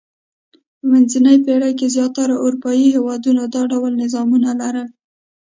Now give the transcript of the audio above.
په منځنۍ پېړۍ کې زیاترو اروپايي هېوادونو دا ډول نظامونه لرل.